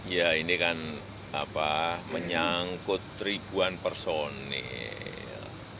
ya ini kan menyangkut ribuan personil